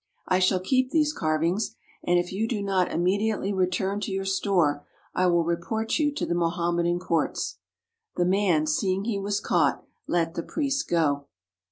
I shall keep these carvings, and if you do not immediately return to your store I will report you to the Mohammedan courts. " The man, seeing he was caught, let the priest go.